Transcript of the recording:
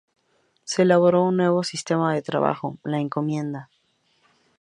Se elaboró un nuevo sistema de trabajo: la encomienda.